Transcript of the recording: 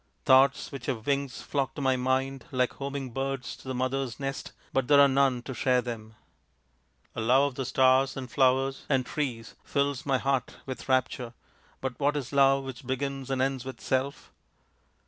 Thoughts which have wings flock to my mind like homing birds to the mother's nest, but there are none to share them. A love of the stars and 266 THE INDIAN STORY BOOK flowers and trees fills my heart with rapture, but what is love which begins and ends with self